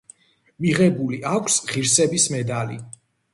მიღებული მაქვს ღირსების მედალი.